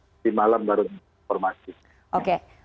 oke berarti sejak belakangan sudah ada eskalasi yang meningkat